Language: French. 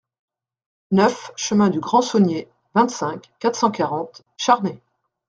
neuf chemin du Grand Saunier, vingt-cinq, quatre cent quarante, Charnay